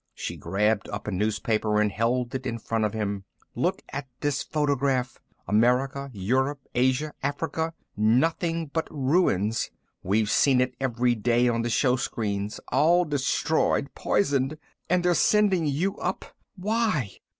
She grabbed up a newspaper and held it in front of him. "Look at this photograph. America, Europe, Asia, Africa nothing but ruins. We've seen it every day on the showscreens. All destroyed, poisoned. And they're sending you up. Why?